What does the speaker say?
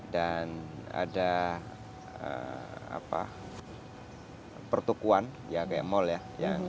dan ada pertukuan ya kayak mall ya